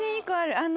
あの。